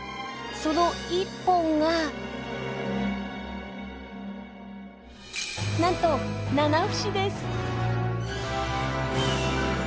その１本がなんとナナフシです。